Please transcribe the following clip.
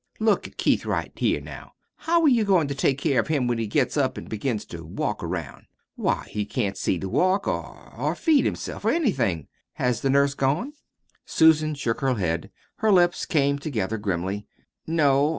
Look at Keith right here now. How are you goin' to take care of him when he gets up an' begins to walk around? Why, he can't see to walk or or feed himself, or anything. Has the nurse gone?" Susan shook her head. Her lips came together grimly. "No.